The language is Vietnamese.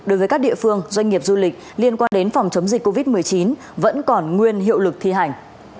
đối với các địa phương doanh nghiệp du lịch liên quan đến phòng chống dịch covid một mươi chín vẫn còn nguyên hiệu lực thi hành